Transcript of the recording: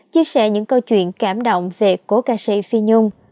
chia sẻ những câu chuyện cảm động về cố ca sĩ phi nhung